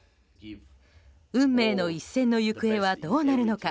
運命の一戦の行方はどうなるのか。